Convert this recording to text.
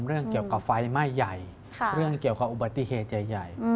เรื่องเกี่ยวต่อไฟ้ให้ใหม่ใหญ่เรื่องเกี่ยวกับอุบัติเฮษใหญ่